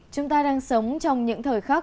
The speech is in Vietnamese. chúng ta đang sống trong những thời khắc